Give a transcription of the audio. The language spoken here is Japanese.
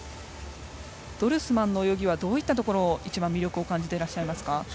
ドルスマンの泳ぎはどういったところに一番魅力を感じていますか。